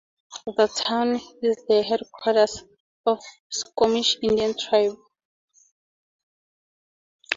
The town is the headquarters of the Skokomish Indian Tribe.